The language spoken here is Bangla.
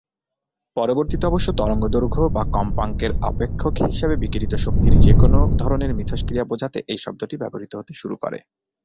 পরবর্তীতে অবশ্য তরঙ্গ দৈর্ঘ্য বা কম্পাঙ্কের অপেক্ষক হিসেবে বিকিরিত শক্তির যেকোন ধরনের মিথস্ক্রিয়া বোঝাতে এই শব্দটি ব্যবহৃত হতে শুরু করে।